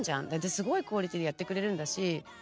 すごいクオリティーでやってくれるんだし